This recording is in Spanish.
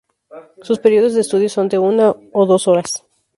Sus periodos de estudios son de uno o dos horas.